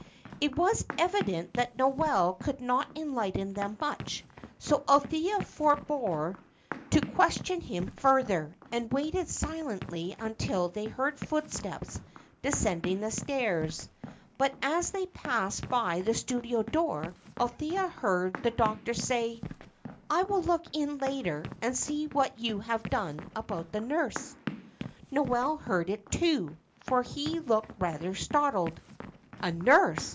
It was evident that Noel could not enlighten them much, so Althea forebore to question him further, and waited silently until they heard footsteps descending the stairs; but as they passed by the studio door Althea heard the doctor say, "I will look in later and see what you have done about the nurse." Noel heard it, too, for he looked rather startled. "A nurse!"